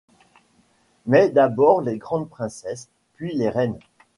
Mais d'abord les grandes princesses, puis les reines.